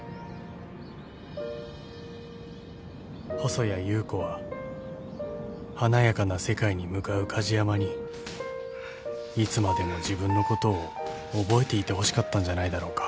［細谷優子は華やかな世界に向かう梶山にいつまでも自分のことを覚えていてほしかったんじゃないだろうか］